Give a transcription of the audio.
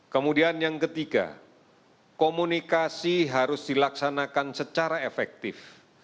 kemudian yang ketiga komunikasi harus dilaksanakan secara efektif